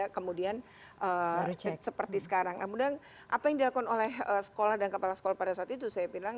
kemudian apa yang dilakukan oleh sekolah dan kepala sekolah pada saat itu saya bilang